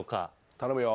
頼むよ。